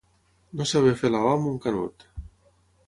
No saber fer la «o» amb un canut.